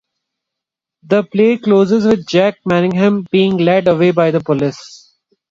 The play closes with Jack Manningham being led away by the police.